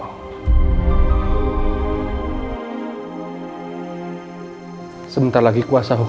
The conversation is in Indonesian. apa dia nggak sadar